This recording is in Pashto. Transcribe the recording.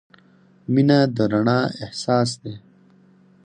• مینه د رڼا احساس دی.